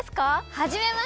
はじめまして！